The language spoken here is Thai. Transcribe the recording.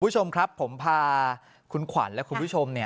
คุณผู้ชมครับผมพาคุณขวัญและคุณผู้ชม